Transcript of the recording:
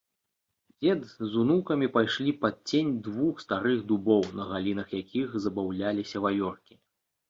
Дзед з унукамі пайшлі пад цень двух старых дубоў, на галінах якіх забаўляліся вавёркі.